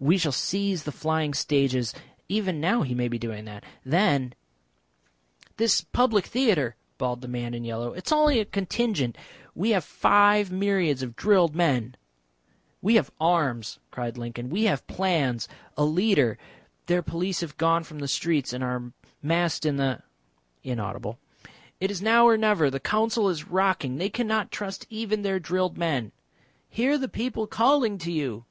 We shall seize the flying stages . Even now he may be doing that. Then " "This public theatre," bawled the man in yellow, "is only a contingent. We have five myriads of drilled men " "We have arms," cried Lincoln. "We have plans. A leader. Their police have gone from the streets and are massed in the. " [inaudible] "It is now or never. The Council is rocking They cannot trust even their drilled men " "Hear the people calling to you!"